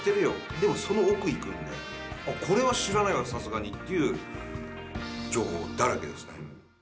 でもその奥いくんでこれは知らないな、さすがにっていう情報だらけですね。